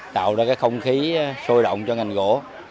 tạo ra cái không khí sôi động cho ngành gỗ